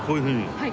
はい。